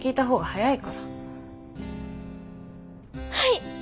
はい！